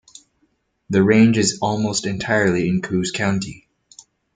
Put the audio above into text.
The range is almost entirely in Coos County.